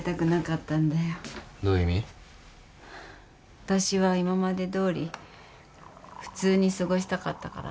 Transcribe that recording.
あたしは今までどおり普通に過ごしたかったから。